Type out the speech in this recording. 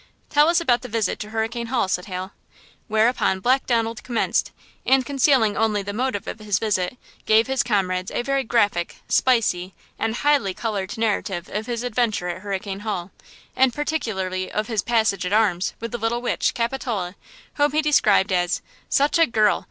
"Tell us about the visit to Hurricane Hall," said Hal. Whereupon Black Donald commenced, and concealing only the motive of his visit, gave his comrades a very graphic, spicy and highly colored narrative of his adventure at Hurricane Hall, and particularly of his "passages at arms" with the little witch, Capitola, whom he described as: "Such a girl!